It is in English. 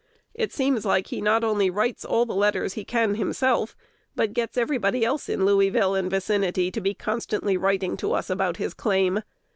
It seems like he not only writes all the letters he can himself, but gets everybody else in Louisville and vicinity to be constantly writing to us about his claim.